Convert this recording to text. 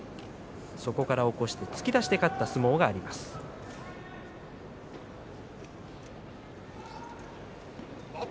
そこから起こして突き出して勝った相撲がありました。